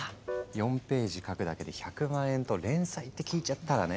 ４ページ描くだけで１００万円と連載って聞いちゃったらね。